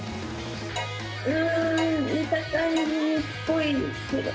うん見た感じ②っぽいけど。